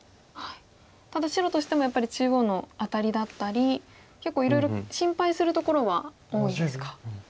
ただ白としてもやっぱり中央のアタリだったり結構いろいろ心配するところは多いんですか。